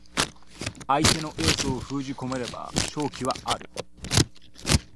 相手のエースを封じ込めれば勝機はある